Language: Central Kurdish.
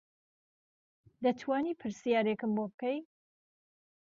دەتوانی پرسیارێکم بۆ بکەی